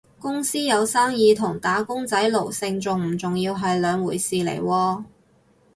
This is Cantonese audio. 公司有生意同打工仔奴性重唔重係兩回事嚟喎